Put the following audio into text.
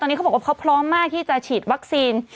ตอนนี้เขาบอกว่าเขาพร้อมมากที่จะฉีดวัคซีน